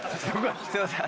すいません。